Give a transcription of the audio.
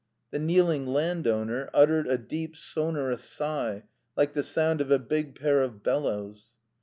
The kneeling landowner uttered a deep, sonorous sigh, like the sound of a big pair of bellows.